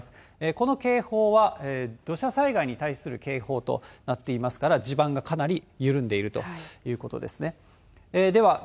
この警報は土砂災害に対する警報となっていますから、地盤がかなり緩んでいるということですね。